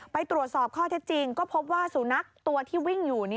ไปตรวจสอบข้อเท็จจริงก็พบว่าสุนัขตัวที่วิ่งอยู่